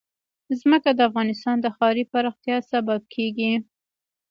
ځمکه د افغانستان د ښاري پراختیا سبب کېږي.